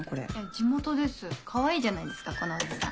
地元ですかわいいじゃないですかこのおじさん。